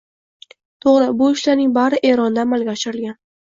To‘g‘ri, bu ishlarning bari Eronda amalga oshirilgan